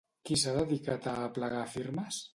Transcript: Qui s'ha dedicat a aplegar firmes?